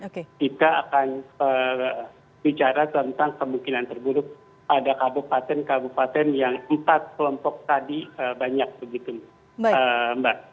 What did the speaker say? kita akan bicara tentang kemungkinan terburuk pada kabupaten kabupaten yang empat kelompok tadi banyak begitu mbak